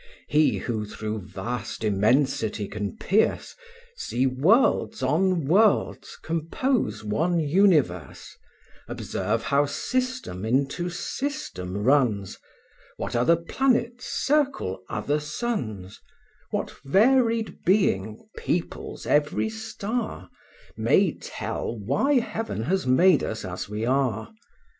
He, who through vast immensity can pierce, See worlds on worlds compose one universe, Observe how system into system runs, What other planets circle other suns, What varied being peoples every star, May tell why Heaven has made us as we are.